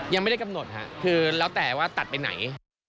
ยังไม่ได้กำหนดครับคือแล้วแต่ว่าตัดไปไหน